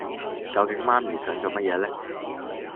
究竟媽咪想做乜嘢呢